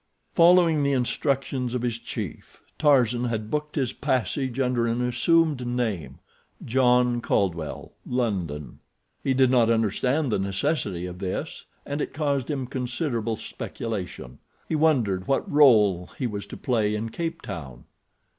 Following the instructions of his chief, Tarzan had booked his passage under an assumed name—John Caldwell, London. He did not understand the necessity of this, and it caused him considerable speculation. He wondered what role he was to play in Cape Town.